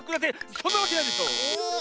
そんなわけないでしょう！え。